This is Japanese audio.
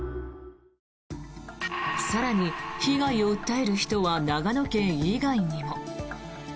更に、被害を訴える人は長野県以外にも。